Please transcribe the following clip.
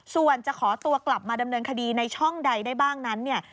ส่วนจะขอตัวกลับมาดำเนินคดีในช่องใดได้บ้างนั้นเนี่ย